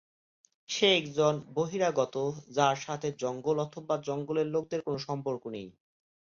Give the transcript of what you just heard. সে একজন বহিরাগত, যার সাথে জঙ্গল অথবা জঙ্গলের লোকদের কোন সম্পর্ক নেই।